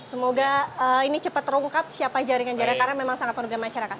semoga ini cepat terungkap siapa jaringan jaringan karena memang sangat merugikan masyarakat